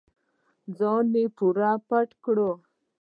ځان مې پوره پټ کړ.